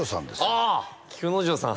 ああっ菊之丞さん